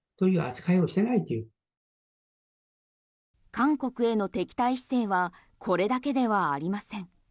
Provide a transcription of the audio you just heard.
韓国への敵対姿勢はこれだけではありません。